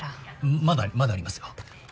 まだまだありますよ。